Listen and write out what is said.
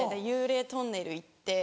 幽霊トンネル行って。